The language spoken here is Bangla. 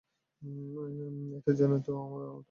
এটার জন্যই তো তোমার বাবা বিখ্যাত।